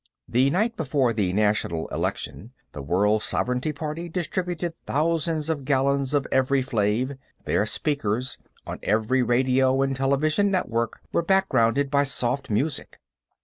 The night before the national election, the World Sovereignty party distributed thousands of gallons of Evri Flave; their speakers, on every radio and television network, were backgrounded by soft music.